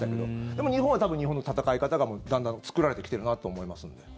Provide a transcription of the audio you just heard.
でも、日本は多分日本の戦い方がだんだん作られてきているなと思いますので。